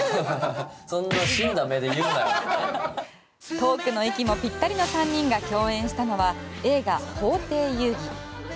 トークの息もぴったりの３人が共演したのは映画「法廷遊戯」。